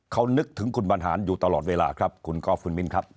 เขานึกถึงคุณบรรหารอยู่ตลอดเวลาครับคุณกอล์ฟคุณมิ้นครับ